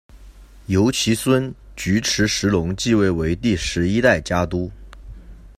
由其孙菊池时隆继位为第十一代家督。